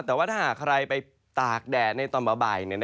แต่ว่าถ้าหากใครไปตากแดดในตอนบ่าย